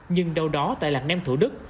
nhưng đâu đó tại lạc nem thủ đức